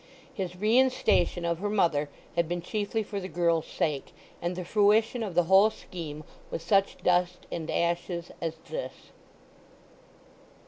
His reinstation of her mother had been chiefly for the girl's sake, and the fruition of the whole scheme was such dust and ashes as this.